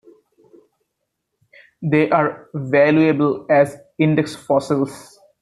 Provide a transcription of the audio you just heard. They are valuable as index fossils.